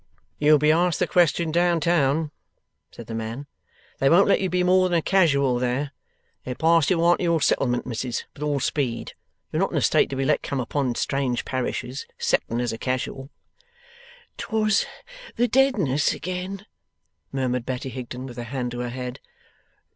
'You'll be asked the question down town,' said the man. 'They won't let you be more than a Casual there. They'll pass you on to your settlement, Missis, with all speed. You're not in a state to be let come upon strange parishes 'ceptin as a Casual.' ''Twas the deadness again!' murmured Betty Higden, with her hand to her head.